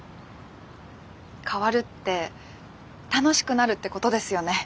変わるって楽しくなるってことですよね。